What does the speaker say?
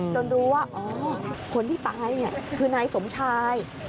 โดนรู้ว่าคนที่ตายนี่คือนายสมชาย